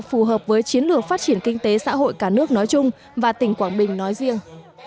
phù hợp với chiến lược phát triển kinh tế xã hội cả nước nói chung và tỉnh quảng bình nói riêng